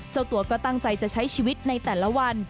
เจ้าตัวก็ตั้งใจจะใช้ชีวิตในแต่ละวัน